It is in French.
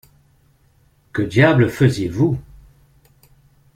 Que diable faisiez-vous?